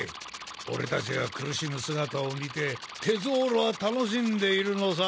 俺たちが苦しむ姿を見てテゾーロは楽しんでいるのさ。